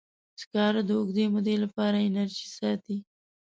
سکاره د اوږدې مودې لپاره انرژي ساتي.